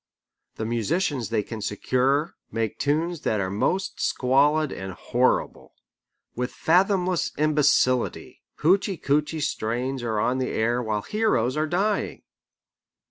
The musicians they can secure make tunes that are most squalid and horrible. With fathomless imbecility, hoochey koochey strains are on the air while heroes are dying.